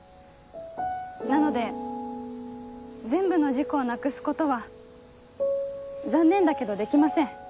なので全部の事故をなくすことは残念だけどできません。